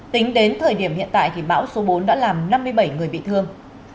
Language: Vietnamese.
tính đến thời điểm hiện tại thì bão số bốn đã làm năm mươi bảy người bị thương